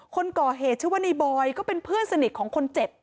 คนก่อเหตุชื่อว่าในบอยก็เป็นเพื่อนสนิทของคนเจ็บ